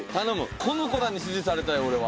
この子らに支持されたい俺は。